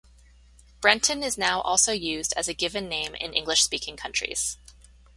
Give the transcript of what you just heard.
Brenton is now also used as a given name in English speaking countries.